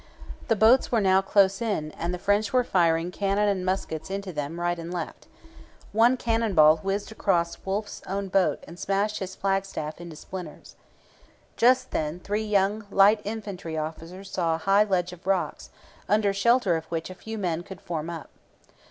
The boats were now close in, and the French were firing cannon and muskets into them right and left. One cannon ball whizzed across Wolfe's own boat and smashed his flagstaff to splinters. Just then three young light infantry officers saw a high ledge of rocks, under shelter of which a few men could form up.